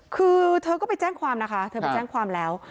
คือเธอก็ไปแจ้งความนะคะเธอไปแจ้งความแล้ว